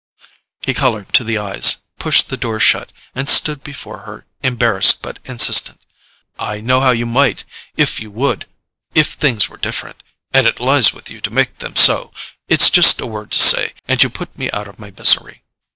He coloured to the eyes, pushed the door shut, and stood before her embarrassed but insistent. "I know how you might, if you would—if things were different—and it lies with you to make them so. It's just a word to say, and you put me out of my misery!"